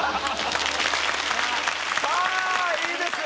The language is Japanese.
さあいいですよ